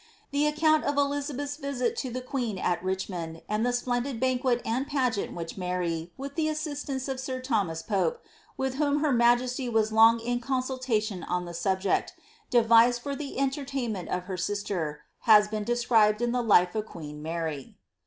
The account of Elin beth'^s visit to the queen at Richmond, and the splendid banquet and pageant which Mary, with the assistance of sir Thomas Pope, with whom her majesty was long in consultation on the subject, devised for the entertainment of her sister, has been described in the life of queen Mary.'